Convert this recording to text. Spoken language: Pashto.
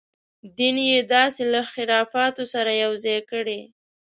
دین یې داسې له خرافاتو سره یو ځای کړی.